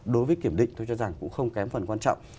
đối với kiểm định tôi cho rằng cũng không kém phần quan trọng